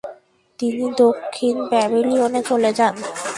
তিনি দক্ষিণ প্যাভিলিয়নে চলে যান।